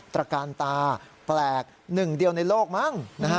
ตรการตาแปลกหนึ่งเดียวในโลกมั้งนะฮะ